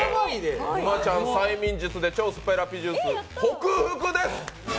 沼ちゃん、催眠術で超酸っぱいラッピージュース、克服です。